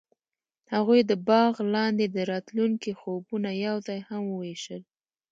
هغوی د باغ لاندې د راتلونکي خوبونه یوځای هم وویشل.